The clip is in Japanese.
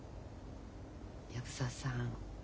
藪沢さん